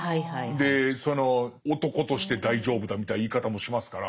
でその男として大丈夫だみたいな言い方もしますから。